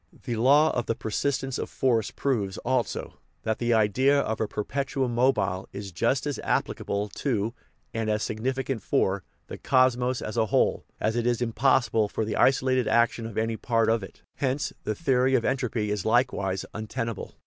The law of the persistence of force proves also that the idea of a perpetuum mobile is just as applicable to, and as significant for, the cosmos as a whole as it is impossible for the isolated action of any part of it. Hence the theory of entropy is likewise un tenable.